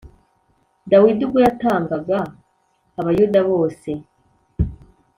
Dawidi Ubwo yatangaga Abayuda bose